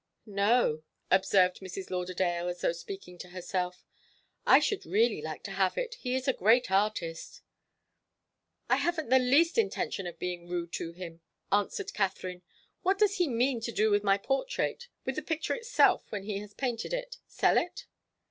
"No," observed Mrs. Lauderdale as though speaking to herself. "I should really like to have it. He is a great artist." "I haven't the least intention of being rude to him," answered Katharine. "What does he mean to do with my portrait with the picture itself when he has painted it sell it?"